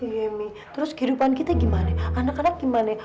iya mi terus kehidupan kita gimana anak anak gimana